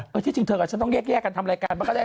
เธอก็ที่จริงเท่ากับฉันต้องเลียกแยกการทำแรกการมาก็ได้นะ